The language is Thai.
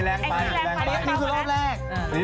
แรกกับลงข้างบทลอด๑